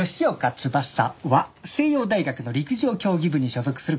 翼は聖洋大学の陸上競技部に所属する学生です。